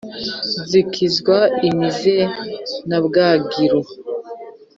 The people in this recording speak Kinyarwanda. zikizwa imize na bwagiro,